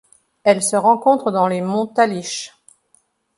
Elle se rencontre dans les monts Talysh.